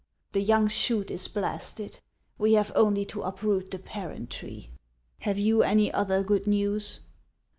The young shoot is blasted. We have only to uproot the parent tree. Have you any other good news